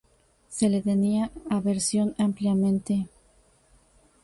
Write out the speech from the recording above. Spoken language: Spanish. Se le tenía aversión ampliamente.